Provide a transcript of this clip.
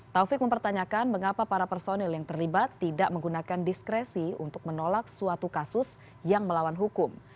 taufik mempertanyakan mengapa para personil yang terlibat tidak menggunakan diskresi untuk menolak suatu kasus yang melawan hukum